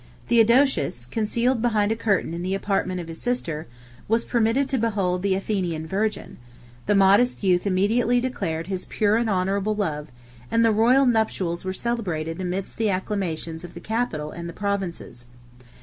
Theodosius, concealed behind a curtain in the apartment of his sister, was permitted to behold the Athenian virgin: the modest youth immediately declared his pure and honorable love; and the royal nuptials were celebrated amidst the acclamations of the capital and the provinces.